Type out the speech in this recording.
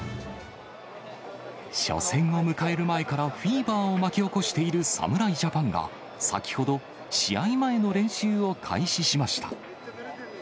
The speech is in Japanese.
初戦を迎える前からフィーバーを巻き起こしている侍ジャパンが先ほど、試合前の練習を開始しました。